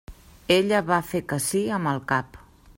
Ella va fer que sí amb el cap.